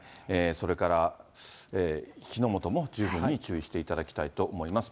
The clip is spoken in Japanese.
それから火の元も十分に注意していただきたいと思います。